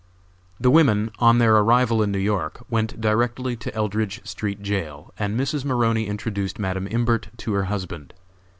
The women, on their arrival in New York, went directly to Eldridge street jail and Mrs. Maroney introduced Madam Imbert to her husband.